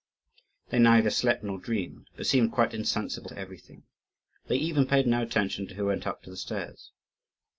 They neither slept nor dreamed, but seemed quite insensible to everything; they even paid no attention to who went up the stairs.